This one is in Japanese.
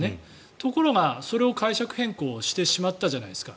ところがそれを解釈変更してしまったじゃないですか。